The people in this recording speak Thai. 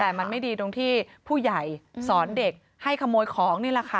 แต่มันไม่ดีตรงที่ผู้ใหญ่สอนเด็กให้ขโมยของนี่แหละค่ะ